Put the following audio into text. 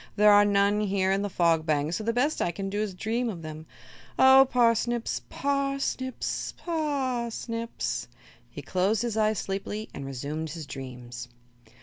There are none here in the Fog Bank, so the best I can do is dream of them. Oh, parsnips par snips p a r snips!" He closed his eyes sleepily and resumed his dreams.